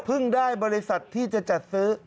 ได้บริษัทที่จะจัดซื้อ